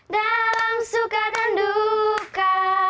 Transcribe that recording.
dalam suka dan duka